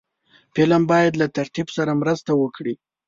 فلم باید له تربیت سره مرسته وکړي